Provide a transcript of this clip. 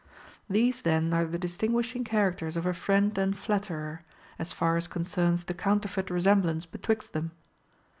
These then are the distinguishing characters of a friend and flatterer, as far as concerns the counterfeit resemblance betwixt them.